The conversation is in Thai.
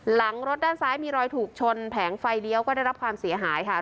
หลังรถด้านซ้ายมีรอยถูกชนแผงไฟเลี้ยวก็ได้รับความเสียหายค่ะ